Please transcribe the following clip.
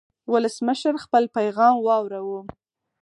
ولسمشر خپل پیغام واوراوه.